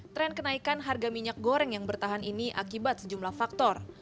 tren kenaikan harga minyak goreng yang bertahan ini akibat sejumlah faktor